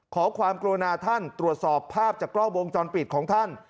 ขอความกรุณาท่านตรวจสอบภาพจากกล้องวงจรปิดของท่าน